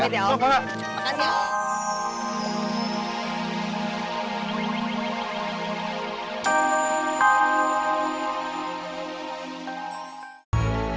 makasih ya om